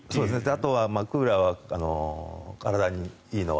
あとはクーラーは体にいいの？